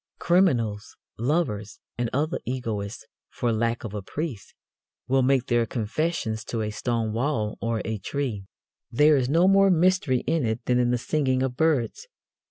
Criminals, lovers and other egoists, for lack of a priest, will make their confessions to a stone wall or a tree. There is no more mystery in it than in the singing of birds.